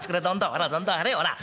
ほらどんどん張れほら。